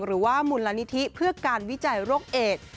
หรือว่ามูลนิธิเพื่อการวิจัยโรคเอด